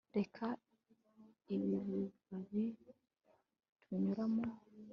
reka ibi bibabi tunyuramo